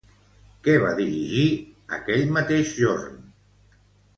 Què va dirigir, aquell mateix jorn?